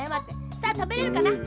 さあたべれるかな？